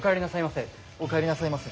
お帰りなさいませ。